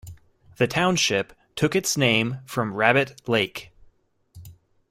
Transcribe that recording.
The township took its name from Rabbit Lake.